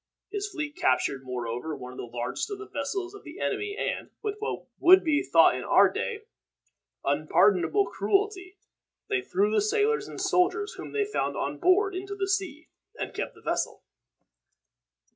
His fleet captured, moreover, one of the largest of the vessels of the enemy; and, with what would be thought in our day unpardonable cruelty, they threw the sailors and soldiers whom they found on board into the sea, and kept the vessel.